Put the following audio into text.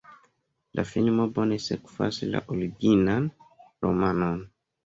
La filmo bone sekvas la originan romanon.